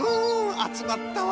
あつまったわ。